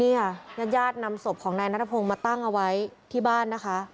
นี่ค่ะญาติญาตินำศพของนายนัทพงศ์มาตั้งเอาไว้ที่บ้านนะคะ